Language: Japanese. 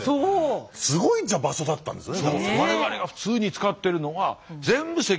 すごい場所だったんですね。